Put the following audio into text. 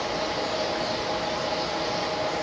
ต้องเติมเนี่ย